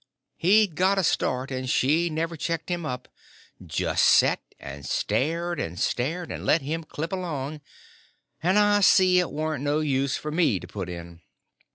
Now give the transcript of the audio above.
He'd got a start, and she never checked him up, just set and stared and stared, and let him clip along, and I see it warn't no use for me to put in.